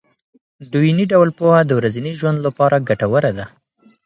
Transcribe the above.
دویني ډول پوهه د ورځني ژوند لپاره ګټوره ده.